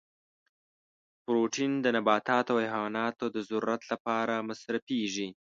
پروتین د نباتاتو او حیواناتو د ضرورت لپاره مصرفیږي.